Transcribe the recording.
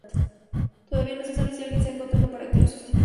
Todavía no se sabe si alguien se ha encontrado para que lo sustituya.